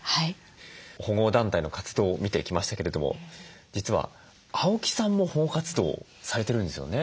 保護団体の活動を見てきましたけれども実は青木さんも保護活動をされてるんですよね？